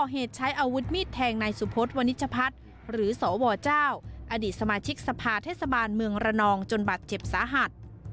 เหตุใช้อาวุธมีดแทงนายสุพศวนิชพัฒน์หรือสวเจ้าอดีตสมาชิกสภาเทศบาลเมืองระนองจนบาดเจ็บสาหัส